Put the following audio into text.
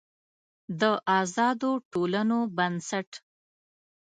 د آزادو ټولنو بنسټ